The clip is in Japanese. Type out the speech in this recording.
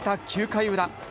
９回裏。